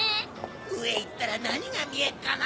上行ったら何が見えっかな？